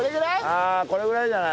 ああこれぐらいじゃない？